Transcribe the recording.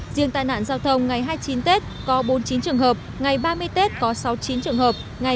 riêng tai nạn giao thông ngày hai mươi chín tết có bốn mươi chín trường hợp ngày ba mươi tết có sáu mươi chín trường hợp